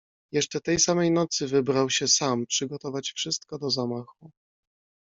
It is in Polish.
"Jeszcze tej samej nocy wybrał się sam przygotować wszystko do zamachu."